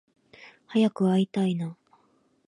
早く会いたいな